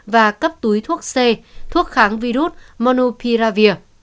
và cấp túi thuốc c thuốc kháng virus monopiravir